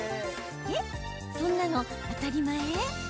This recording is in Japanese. え、そんなの当たり前？